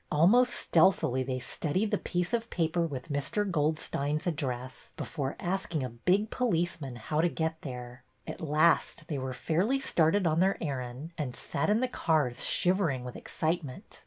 Almost stealthily they studied the piece of paper with Mr. Goldstein's address before asking a big police man how to get there. At last they were fairly started on their errand and sat in the cars shiv ering with excitement.